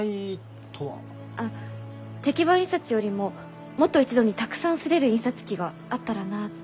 あ石版印刷よりももっと一度にたくさん刷れる印刷機があったらなって。